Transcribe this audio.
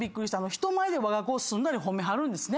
人前でわが子をすんなり褒めはるんですね。